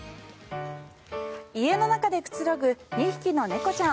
家の中でくつろぐ２匹の猫ちゃん。